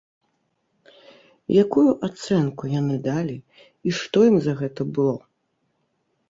Якую ацэнку яны далі і што ім за гэта было?